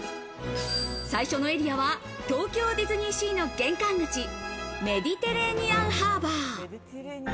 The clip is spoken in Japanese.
最初のエリアは東京ディズニーシーの玄関口、メディテレーニアンハーバー。